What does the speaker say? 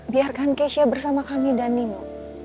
biarkan keisha bersama kami dan nino